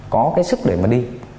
có cái sức để mà đi